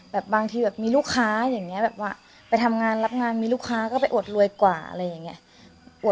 บางทีแบบมีลูกค้าอย่างนี้แบบว่าไปทำงานรับงานมีลูกค้าก็ไปอดรวยกว่าอะไรอย่างนี้